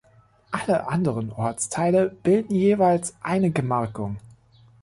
Alle anderen Ortsteile bilden jeweils eine Gemarkung.